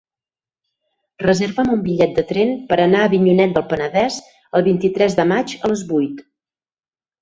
Reserva'm un bitllet de tren per anar a Avinyonet del Penedès el vint-i-tres de maig a les vuit.